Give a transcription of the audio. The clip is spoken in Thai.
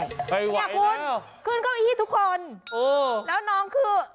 เฮ่ยไหวแล้วคุณขึ้นเก้าอี้ทุกคนแล้วน้องคือ